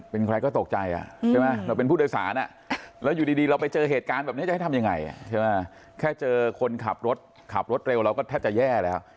เป็นใครก็ตกใจใช่ไหมเราเป็นผู้โดยสารแล้วอยู่ดีเราไปเจอเหตุการณ์แบบนี้จะให้ทำยังไงใช่ไหมแค่เจอคนขับรถขับรถเร็วเราก็แทบจะแย่แล้ว